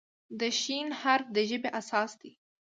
د "ش" حرف د ژبې اساس دی.